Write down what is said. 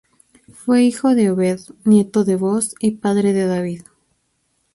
Fue hijo de Obed, nieto de Booz y padre de David.